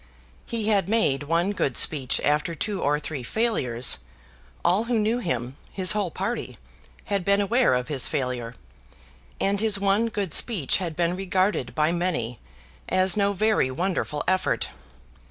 He had made one good speech after two or three failures. All who knew him, his whole party, had been aware of his failure; and his one good speech had been regarded by many as no very wonderful effort.